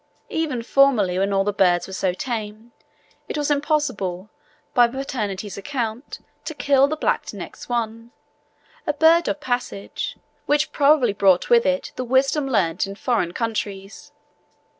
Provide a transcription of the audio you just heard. Even formerly, when all the birds were so tame, it was impossible by Pernety's account to kill the black necked swan a bird of passage, which probably brought with it the wisdom learnt in foreign countries.